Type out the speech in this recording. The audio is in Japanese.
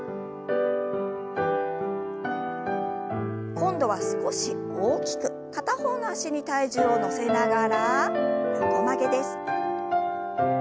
今度は少し大きく片方の脚に体重を乗せながら横曲げです。